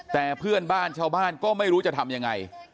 แต่เพื่อนบ้านชาวบ้านก็ไม่รู้จะทำยังไง